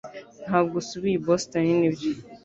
Ntabwo usubiye i Boston nibyo